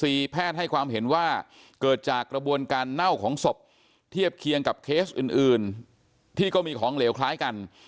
แพทย์ให้ความเห็นว่าเกิดจากกระบวนการเน่าของศพเทียบเคียงกับเคสอื่นอื่นที่ก็มีของเหลวคล้ายกัน